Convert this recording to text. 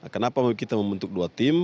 kenapa kita membentuk dua tim